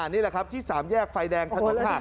นี่แหละครับที่๓แยกไฟแดงถนนหัก